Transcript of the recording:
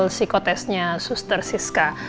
psikotestnya suster siska